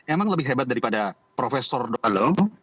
emang lebih hebat daripada profesor doa long